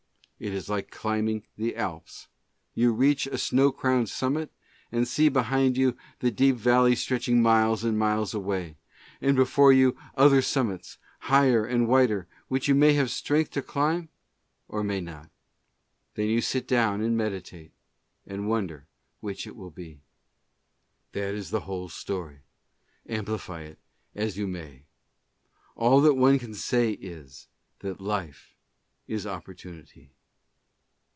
It is like climbing the Alps. You reach a snow crowned summit, and see behind you the deep valley stretching miles and miles away, and before you other summits higher and whiter, which you may have strength to climb, or may not. Then you sit down and meditate, and wonder which it will be. That is the whole story, amplify it as you may. All that one can say is, that life is opportunity.